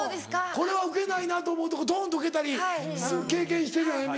これはウケないなと思うとこドンとウケたり経験してるよね